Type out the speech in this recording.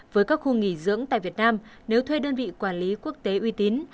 với các khu nghỉ dưỡng tại việt nam nếu thuê đơn vị quản lý quốc tế uy tín